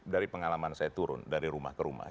dari pengalaman saya turun dari rumah ke rumah